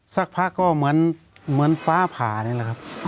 สักพักก็เหมือนฟ้าผ่านี่แหละครับ